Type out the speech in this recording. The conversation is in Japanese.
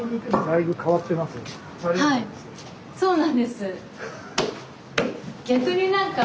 はいそうなんです。